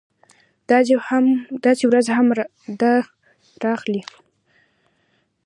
داسې ورځ هم ده راغلې